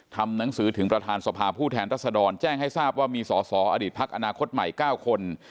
ทำหนังสือถึงประธานสภาผู้แทนรัศดรแจ้งให้ทราบว่ามีสอสออดีตพักอนาคตใหม่๙คน